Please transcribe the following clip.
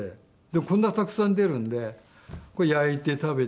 こんなたくさん出るんでこれ焼いて食べて。